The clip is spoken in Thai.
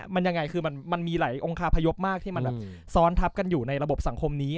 มันมีหลายองคาพยพมากที่มันซ้อนทับกันอยู่ในระบบสังคมนี้